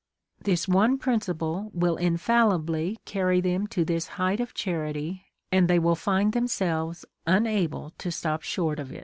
This one principle will infallibly carry them to this height J^ .,. of charity, and they will find themselves unable to stop short of it.